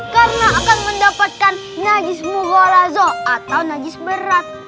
karena akan mendapatkan najis mugolazo atau najis berat